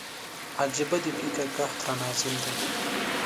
عجيبه د فکر قحط را نازل دی